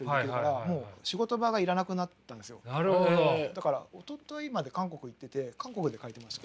だからおとといまで韓国行ってて韓国で描いてました。